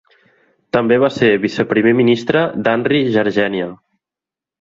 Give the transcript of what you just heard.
També va ser viceprimer ministre d'Anri Jergenia.